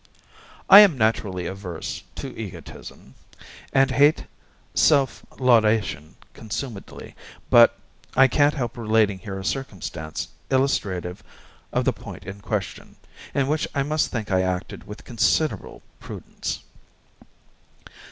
I am naturally averse to egotism, and hate selflaudation consumedly; but I can't help relating here a circumstance illustrative of the point in question, in which I must think I acted with considerable prudence.